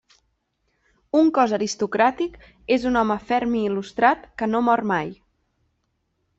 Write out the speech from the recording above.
Un cos aristocràtic és un home ferm i il·lustrat que no mor mai.